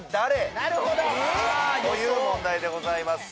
なるほど！優勝？という問題でございます